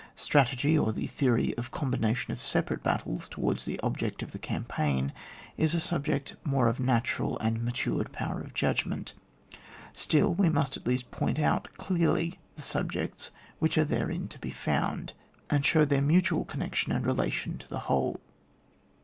Strategy, or the theory of the combination of separate battles towards the object of the cam 96 ON WAR. paign, is a subject more of natural and matured power of judgpnent; still, we must at least point out clearly the sub jects which are therein to be found, and show their mutual connection and rela tion to the whole.